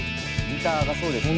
ギターがそうですね